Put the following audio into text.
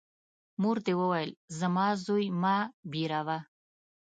مور دي وویل : زما زوی مه بېروه!